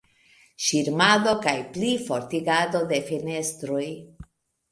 Ŝirmado kaj plifortigado de fenestroj.